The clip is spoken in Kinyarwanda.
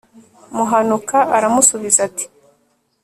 muhanuka aramusubiza ati